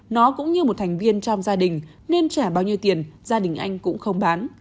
nó cũng như một thành viên trong gia đình nên trả bao nhiêu tiền gia đình anh cũng không bán